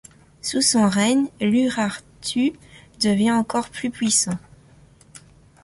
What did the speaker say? Sous son règne, l'Urartu devient encore plus puissant.